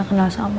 kenal sama mama